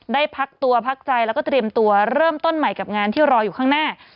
ได้พักตัวพักใจแล้วก็เตรียมตัวเริ่มต้นใหม่กับงานที่รออยู่ข้างหน้า